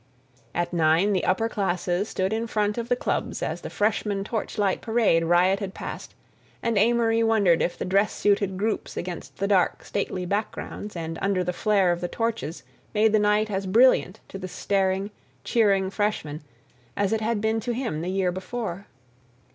At nine the upper classes stood in front of the clubs as the freshman torchlight parade rioted past, and Amory wondered if the dress suited groups against the dark, stately backgrounds and under the flare of the torches made the night as brilliant to the staring, cheering freshmen as it had been to him the year before.